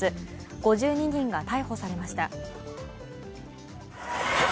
５２人が逮捕されました。